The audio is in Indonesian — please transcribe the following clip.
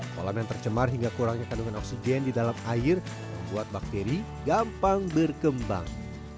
kolam yang tercemar hingga kurangnya kandungan oksigen di dalam air membuat bakteri gampang berkembang